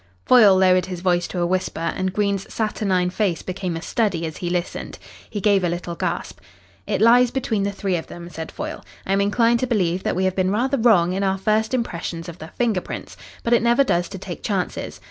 Foyle lowered his voice to a whisper, and Green's saturnine face became a study as he listened. He gave a little gasp. "It lies between the three of them," said Foyle. "I am inclined to believe that we have been rather wrong in our first impressions of the finger prints. But it never does to take chances.